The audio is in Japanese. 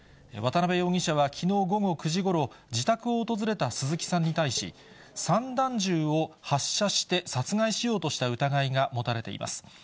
渡辺容疑者はきのう午後９時ごろ、自宅を訪れた鈴木さんに対し、散弾銃を発射して殺害しようとした疑いが持たれています。